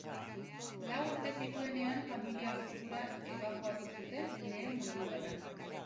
Lau urte zituenean familia Moskura ebakuatu zuten Lehen Mundu Gerran.